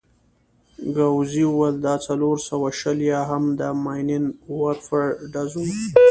ګاووزي وویل: دا څلور سوه شل یا هم د ماينين ورفر ډز وو.